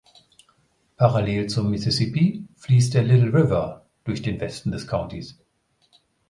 Parallel zum Mississippi fließt der Little River durch den Westen des Countys.